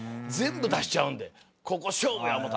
全部出しちゃうんでここ勝負や！